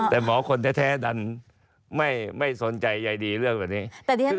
แต่หมอคนแท้ดันไม่สนใจใยดีเรื่องแบบนี้